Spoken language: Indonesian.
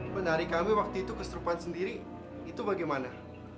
penari kami waktu itu kesurupan sendiri itu bagaimana